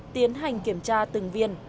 tiến hành kiểm tra từng viên